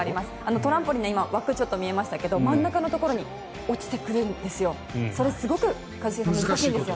トランポリンの枠が見えましたけど真ん中のところに落ちてくるんですよ。